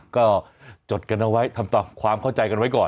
ก็จดกันเอาไว้ทำความเข้าใจกันไว้ก่อน